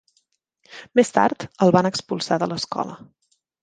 Més tard, el van expulsar de l'escola.